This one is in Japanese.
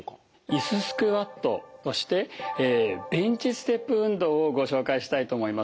いすスクワットそしてベンチステップ運動をご紹介したいと思います。